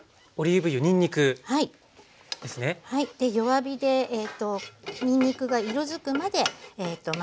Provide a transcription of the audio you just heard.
弱火でにんにくが色づくまでまず炒めていきます。